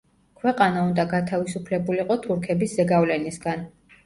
ქვეყანა უნდა გათავისუფლებულიყო თურქების ზეგავლენისგან.